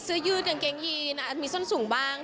ยืดกางเกงยีนมีส้นสูงบ้าง